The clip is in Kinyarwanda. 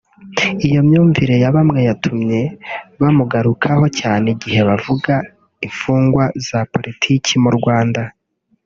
Iyo myumvire ya bamwe yatumye bamugarukaho cyane igihe bavuga imfungwa za politiki mu Rwanda